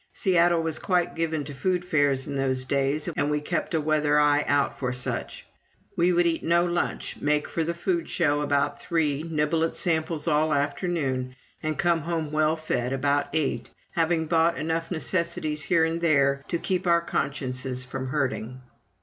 Seattle was quite given to food fairs in those days, and we kept a weather eye out for such. We would eat no lunch, make for the Food Show about three, nibble at samples all afternoon, and come home well fed about eight, having bought enough necessities here and there to keep our consciences from hurting.